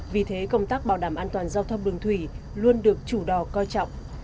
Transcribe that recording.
vì thế công tác bảo đảm an toàn giao thông đường thủy luôn được chủ đò coi trọng